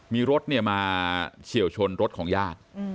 มีรถมาเฉียวชนรถของญาติ